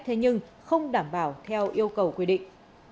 thế nhưng không đảm bảo theo yêu cầu quy định